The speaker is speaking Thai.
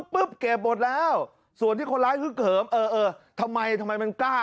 ปึ๊บเก็บบทแล้วส่วนที่คนร้ายคือเขิมเออทำไมทำไมมันกล้า